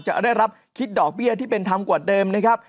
จะได้รับคิดดอกเบี้ยที่เป็นธรรมกว่าเดิมนะครับ